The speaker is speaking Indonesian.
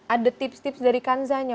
ada tips tips dari kanzanya